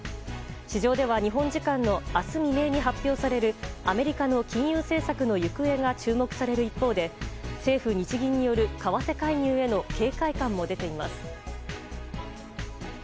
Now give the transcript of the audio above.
市場では日本時間の明日未明に発表されるアメリカの金融政策の行方が注目される一方で政府・日銀による為替介入への警戒感も出ています。